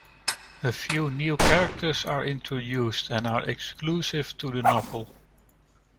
A few new characters are introduced and are exclusive to the novel.